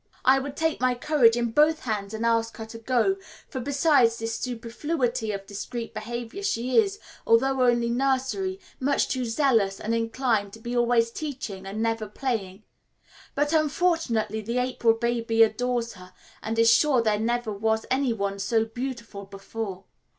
I would take my courage in both hands and ask her to go, for besides this superfluity of discreet behaviour she is, although only nursery, much too zealous, and inclined to be always teaching and never playing; but, unfortunately, the April baby adores her and is sure there never was any one so beautiful before.